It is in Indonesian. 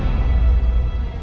kalau perlu sekarang juga